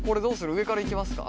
上からいきますか？